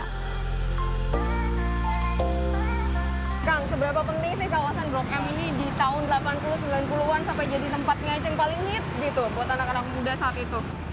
kang seberapa penting sih kawasan blok m ini di tahun delapan puluh sembilan puluh an sampai jadi tempat ngeceng paling nit gitu buat anak anak muda saat itu